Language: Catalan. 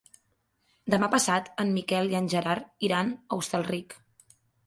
Demà passat en Miquel i en Gerard iran a Hostalric.